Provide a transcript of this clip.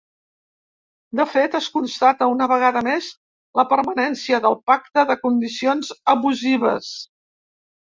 De fet, es constata una vegada més la permanència del pacte de condicions abusives.